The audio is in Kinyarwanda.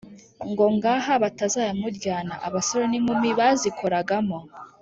ngo ngaha batazayamuryana abasore n'inkumi bazikoragamo